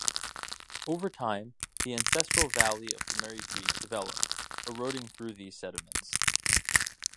Over time the ancestral valley of the Merri Creek developed, eroding through these sediments.